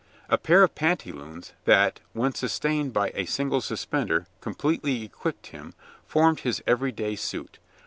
A pair of pantaloons, that, when sustained by a single suspender, completely equipped him, formed his every day suit.